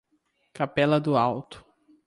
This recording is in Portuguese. Capela do Alto